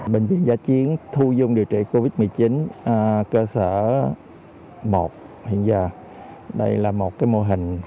bệnh viện giã chiến thu dung điều trị covid một mươi chín cơ sở một hiện giờ đây là một cái mô hình